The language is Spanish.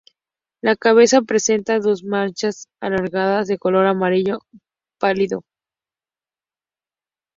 La cabeza presenta dos manchas alargadas de color amarillo pálido.